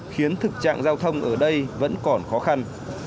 khiến thực trạng giao thông ở đây vẫn còn khó khăn